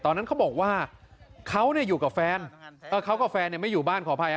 ตอนนั้นเขาบอกว่าเขาเนี่ยอยู่กับแฟนเออเขากับแฟนเนี่ยไม่อยู่บ้านขอภัย